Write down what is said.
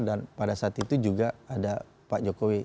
dan pada saat itu juga ada pak jokowi